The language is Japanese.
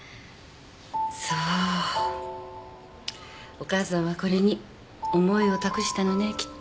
お母さんはこれに思いを託したのねきっと。